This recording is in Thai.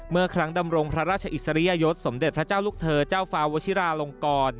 เมื่อครั้งดำรงพระราชอิสริยยศสมเด็จพระเจ้าลูกเธอเจ้าฟ้าวชิราลงกร